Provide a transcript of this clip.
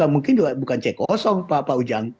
mungkin juga bukan c pak ujang